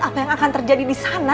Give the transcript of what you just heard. apa yang akan terjadi disana